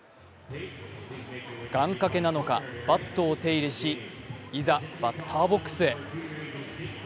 願掛けなのか、バットを手入れし、いざ、バッターボックスへ。